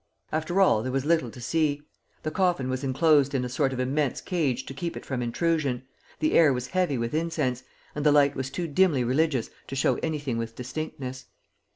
After all, there was little to see. The coffin was enclosed in a sort of immense cage to keep it from intrusion, the air was heavy with incense, and the light was too dimly religious to show anything with distinctness.